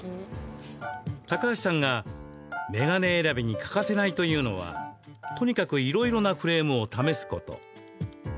高橋さんが眼鏡選びに欠かせないというのはとにかくいろいろなフレームを試すこと。